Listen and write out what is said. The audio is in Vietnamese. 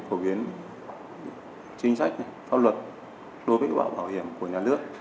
phổ biến chính sách pháp luật đối với bảo hiểm của nhà nước